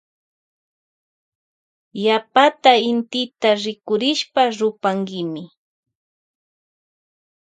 Yapata intima rikurishpa rupankimi.